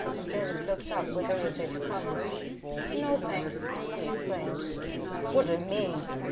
Joseph looked up with irritating calmness. "No, thanks," he exclaimed. "What do you mean?"